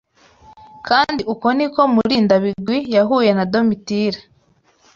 Kandi uko ni ko Murindabigwi yahuye na Domitira.